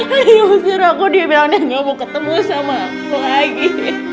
hari usir aku dia bilangnya gak mau ketemu sama aku lagi